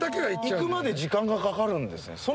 行くまで時間がかかるんですね。